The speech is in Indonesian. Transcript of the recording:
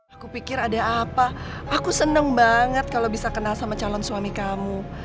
aku pikir ada apa aku seneng banget kalau bisa kenal sama calon suami kamu